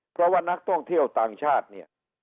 เพราะว่านักท่องเที่ยวต่างชาติเนี่ย